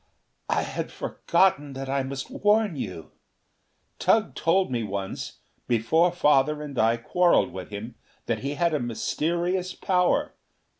"I had forgotten that I must warn you. Tugh told me once, before Father and I quarreled with him, that he had a mysterious power.